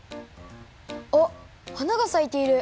あっ花がさいている！